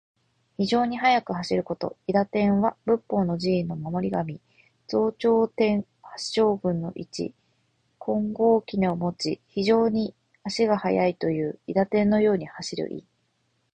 非常に速く走ること。「韋駄天」は仏法・寺院の守り神。増長天八将軍の一。金剛杵をもち、非常に足が速いという。韋駄天のように速く走る意。